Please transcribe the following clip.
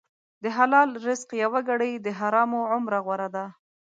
د حلال رزق یوه ګړۍ د حرامو عمره غوره ده.